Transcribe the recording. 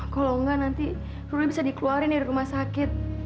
kalau enggak nanti rumahnya bisa dikeluarin dari rumah sakit